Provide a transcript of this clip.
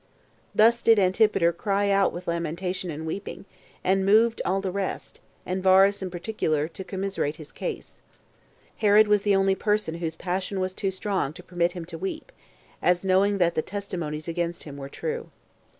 Thus did Antipater cry out with lamentation and weeping, and moved all the rest, and Varus in particular, to commiserate his case. Herod was the only person whose passion was too strong to permit him to weep, as knowing that the testimonies against him were true.